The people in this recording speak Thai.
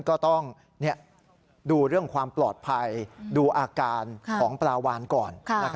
ก็ต้องดูเรื่องความปลอดภัยดูอาการของปลาวานก่อน